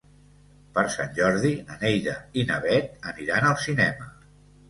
Per Sant Jordi na Neida i na Bet aniran al cinema.